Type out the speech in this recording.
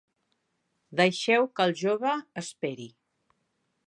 Deixeu que el jove esperi.